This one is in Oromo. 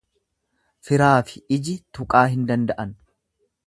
Firaafi iji tuqaa hin danda'an.